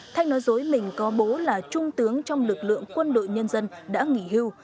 thanh nói dối mình có bố là trung tướng trong lực lượng quân đội nhân dân đã nghỉ hưu